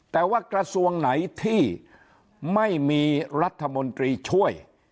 แต่ว่ากระทรวงไหนที่ไม่มีรัฐมนตรีช่วย